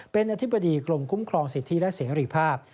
เป็นอธิบดีกรมคุ้มครองสิทธิและเสรีภาพ